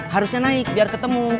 harusnya naik biar ketemu